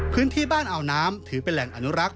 พื้นที่บ้านอ่าวน้ำถือเป็นแหล่งอนุรักษ